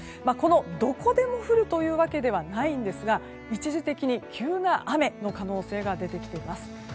どこでも降るということではないんですが一時的に急な雨の可能性が出てきています。